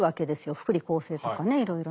福利厚生とかねいろいろな。